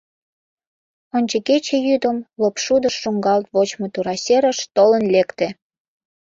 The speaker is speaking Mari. Ончыгече йӱдым лопшудыш шуҥгалт вочмо тура серыш толын лекте.